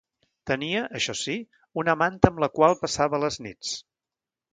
Tenia, això sí, una manta amb la qual passava les nits.